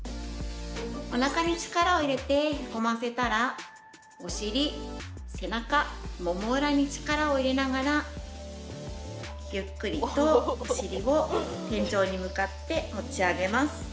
おなかに力を入れてへこませたらお尻、背中、もも裏に力を入れながらゆっくりとお尻を天井に向かって持ち上げます。